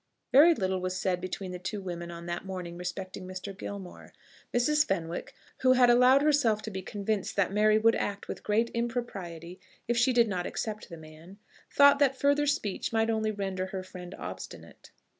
Very little was said between the two women on that morning respecting Mr. Gilmore. Mrs. Fenwick, who had allowed herself to be convinced that Mary would act with great impropriety if she did not accept the man, thought that further speech might only render her friend obstinate.